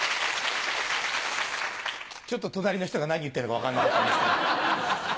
ちょっと隣の人が何言ってるか分かんなかったんですけど。